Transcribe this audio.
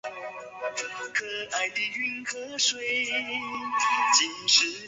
东海岸衔接铁道或简称东铁是一个计划连接吉隆坡和东海岸经济特区的铁路路线。